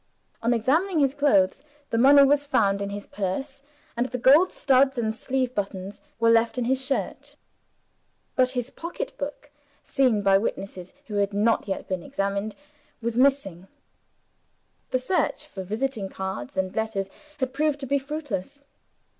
On examining his clothes the money was found in his purse, and the gold studs and sleeve buttons were left in his shirt. But his pocketbook (seen by witnesses who had not yet been examined) was missing. The search for visiting cards and letters had proved to be fruitless.